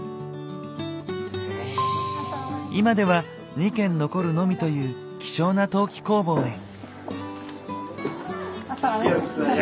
今では２軒残るのみという希少な陶器工房へ。